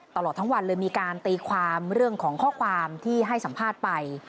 ตลอดทั้งวันเลยมีการตีความเรื่องของข้อความที่ให้สัมภาษณ์ไป